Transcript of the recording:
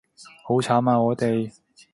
好慘啊我哋